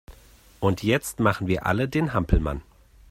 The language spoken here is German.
Und jetzt machen wir alle den Hampelmann!